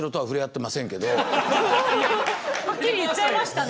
はっきり言っちゃいましたね。